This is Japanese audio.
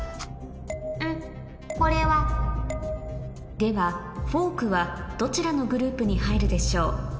ではフォークはどちらのグループに入るでしょう？